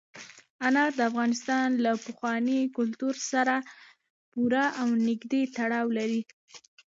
انار د افغانستان له پخواني کلتور سره پوره او نږدې تړاو لري.